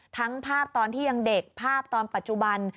ทั้งภาพตอนที่ยังเด็กภาพตอนปัจจุบัน